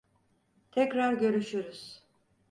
Tekrar görüşürüz.